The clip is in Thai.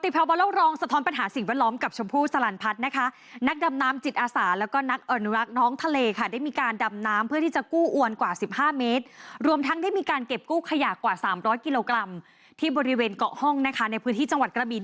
โปรดติดตามตอนต่อไป